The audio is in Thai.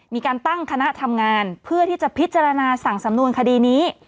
มีการตั้งคณะทำงานเพื่อที่จะพิจารณาสั่งสำนวนคดีนี้